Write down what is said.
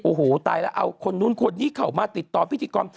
โอ้โหตายแล้วเอาคนนู้นคนนี้เข้ามาติดต่อพิธีกร